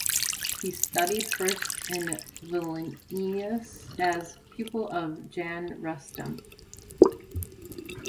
He studied first in Vilnius as pupil of Jan Rustem.